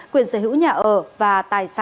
quyền sở hữu nhà ở và tài sản